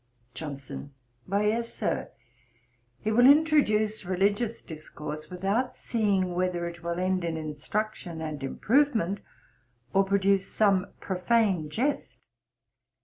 JOHNSON. 'Why, yes, Sir, he will introduce religious discourse without seeing whether it will end in instruction and improvement, or produce some profane jest.